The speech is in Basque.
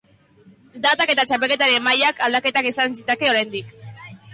Datak eta txapelketaren mailak aldaketak izan ditzakete oraindik.